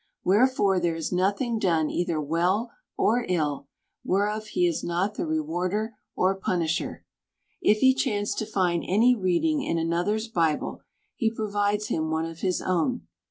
Where fore there is nothing done either well or ill, whereof he is not the rewarder or punisher. If he chance to find any reading in another's bible, he provides him one of his own.